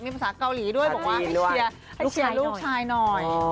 มีภาษาเกาหลีด้วยบอกว่าให้เชียร์ลูกชายหน่อย